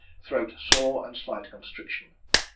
Throat sore, and slight constriction.